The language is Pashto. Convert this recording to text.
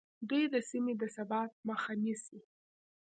دوی د سیمې د ثبات مخه نیسي